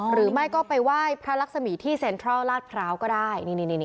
หรือไม่ก็ไปไหว้พระลักษมีที่เซ็นทรัลลาดพร้าวก็ได้